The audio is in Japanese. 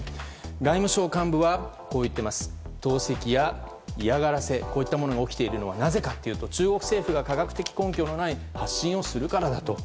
外務省幹部は、投石や嫌がらせが起きているのはなぜかというと中国政府が科学的根拠のない発信をするからだと。